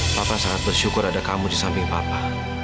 papa sangat bersyukur ada kamu di samping papa